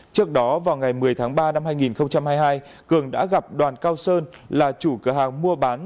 trước đó vào ngày một mươi tháng ba năm hai nghìn hai mươi hai cường đã gặp đoàn cao sơn là chủ cửa hàng mua bán